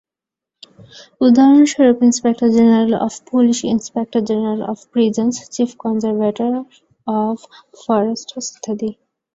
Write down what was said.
উদাহরণস্বরূপ inspector general of police, inspector general of prisons, chief conservator of forests ইত্যাদি।